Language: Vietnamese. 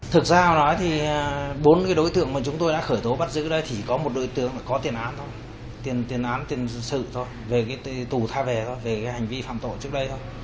thực ra nói thì bốn cái đối tượng mà chúng tôi đã khởi tố bắt giữ đây thì có một đối tượng có tiền án thôi tiền tiền án tiền sự thôi về cái tù tha về thôi về cái hành vi phạm tội trước đây thôi